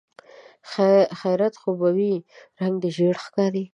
خيرت خو به وي؟ رنګ دې ژېړ ښکاري.